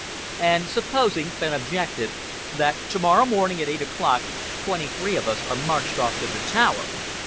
"And supposing," Fenn objected, "that to morrow morning at eight o'clock, twenty three of us are marched off to the Tower!